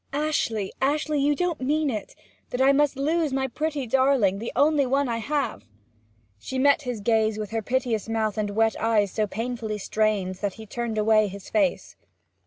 'Ashley, Ashley! You don't mean it that I must lose my pretty darling the only one I have?' She met his gaze with her piteous mouth and wet eyes so painfully strained, that he turned away his face.